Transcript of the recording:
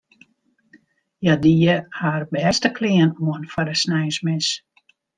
Hja die har bêste klean oan foar de sneinsmis.